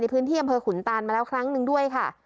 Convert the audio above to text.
พื้นที่อำเภอขุนตานมาแล้วครั้งหนึ่งด้วยค่ะ